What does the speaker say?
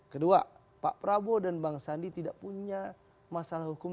kedua pak prabowo dan bang sandi tidak punya masalah hukum